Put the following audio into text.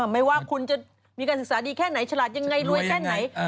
ไม่ว่าคุณจะมีการศึกษาดีแค่ไหนฉลาดยังไงรวยแค่ไหน